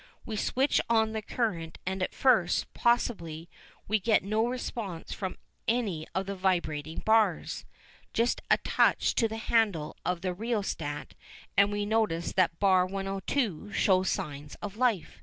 We switch on the current and at first, possibly, we get no response from any of the vibrating bars. Just a touch to the handle of the rheostat and we notice that bar 102 shows signs of life.